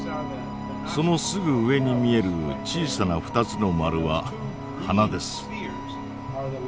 そのすぐ上に見える小さな２つの丸は鼻です。